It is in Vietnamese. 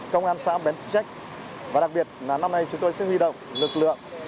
công an xã bến trích và đặc biệt là năm nay chúng tôi sẽ huy động lực lượng